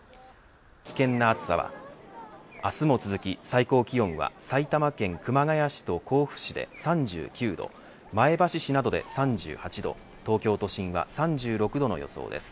危険な暑さは明日も続き最高気温は埼玉県熊谷市と甲府市で３９度前橋市などで３８度東京都心は３６度の予想です。